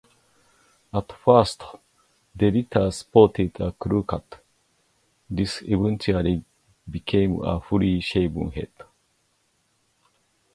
At first, DeRita sported a crew cut; this eventually became a fully shaven head.